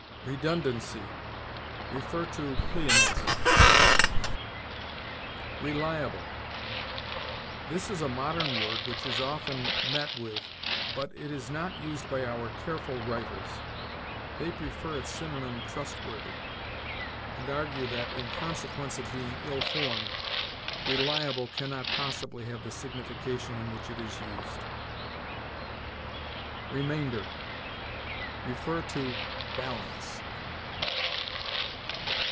REDUNDANCY. See PLEONASM. RELIABLE. This is a modern word which is often met with; but it is not used by our careful writers. They prefer its synonym trustworthy, and argue that, in consequence of being ill formed, reliable can not possibly have the signification in which it is used. REMAINDER. See BALANCE.